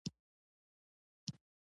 د غمازانو پر زړونو دي وارونه رسا نه دي.